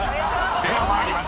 ［では参ります］